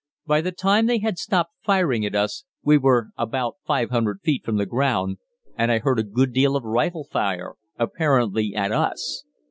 By the time they had stopped firing at us we were about 500 feet from the ground, and I heard a good deal of rifle fire, apparently at us.